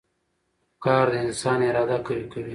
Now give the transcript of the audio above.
کار د انسان اراده قوي کوي